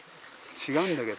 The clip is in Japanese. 違うんだけど。